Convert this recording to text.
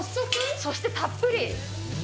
そしてたっぷり。